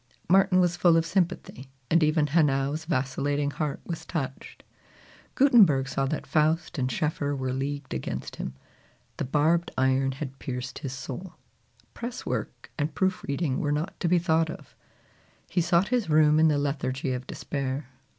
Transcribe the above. Martin was full of sympathy, and even Hanau's vacillating heart was touched. Gutenberg saw that Faust and Schoeffer were leagued against him. The barbed iron had pierced his roul. Press work and proof reading were not to be thought of. He sought his room in the lethargy of despair.